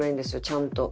ちゃんと。